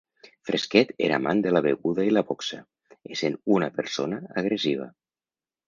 Fresquet era amant de la beguda i la boxa, essent una persona agressiva.